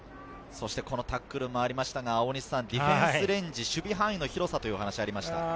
このタックルもありましたが、ディフェンスレンジ、守備範囲の広さというお話しがありました。